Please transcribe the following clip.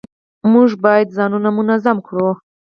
موږ باید ځانونه منظم کړو